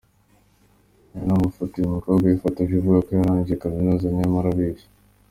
Aya ni amafoto uyu mukobwa yifotoje avuga ko yarangije Kaminuza nyamara abeshya.